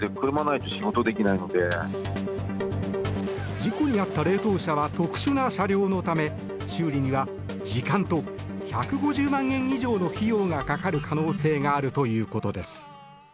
事故に遭った冷凍車は特殊な車両のため修理には時間と１５０万円以上の費用がかかる可能性があるということです。